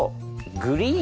グリーン。